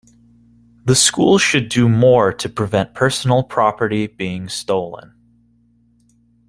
The school should do more to prevent personal property being stolen.